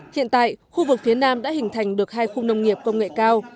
hiện tại khu vực phía nam đã hình thành được hai khu nông nghiệp công nghệ cao